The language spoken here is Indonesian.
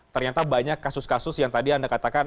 ternyata banyak kasus kasus yang tadi anda katakan